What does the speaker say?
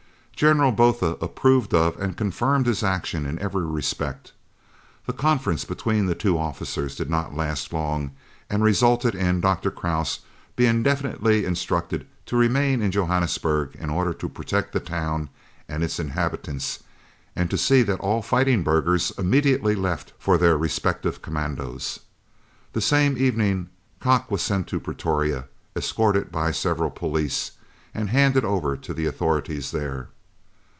General Botha approved of and confirmed his action in every respect. The conference between the two officers did not last long, and resulted in Dr. Krause being definitely instructed to remain in Johannesburg in order to protect the town and its inhabitants, and to see that all fighting burghers immediately left for their respective commandos. The same evening Kock was sent to Pretoria, escorted by several police, and handed over to the authorities there.